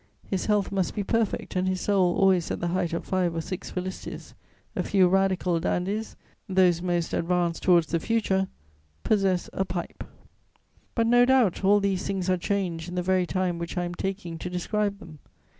His health must be perfect and his soul always at the height of five or six felicities. A few Radical dandies, those most advanced towards the future, possess a pipe. But, no doubt, all these things are changed in the very time which I am taking to describe them.